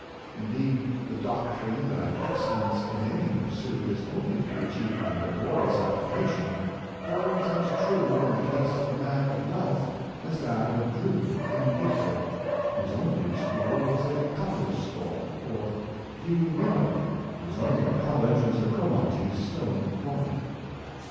Indeed, the doctrine that excellence in any pursuit is only to be achieved by laborious application, holds as true in the case of the man of wealth as that of Drew and Gifford, whose only school was a cobbler's stall, or Hugh Miller, whose only college was a Cromarty stone quarry.